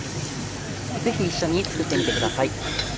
ぜひ一緒に作ってみてください。